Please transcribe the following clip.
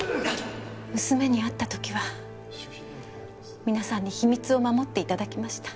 娘に会った時は皆さんに秘密を守って頂きました。